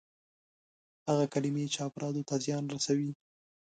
هغه کلمې چې افرادو ته زیان رسوي.